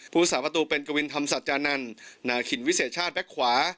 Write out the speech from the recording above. ภูมิสาวประตูเป็นกวินธรรมสัตว์จานันท์นาขินวิเศษชาติแบ็คขวา